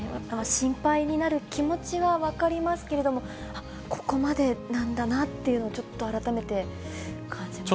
心配になる気持ちは分かりますけれども、ここまでなんだなっていうのを、ちょっと改めて感じますね。